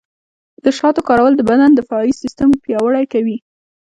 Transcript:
د شاتو کارول د بدن دفاعي سیستم پیاوړی کوي.